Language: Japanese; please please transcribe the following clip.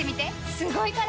すごいから！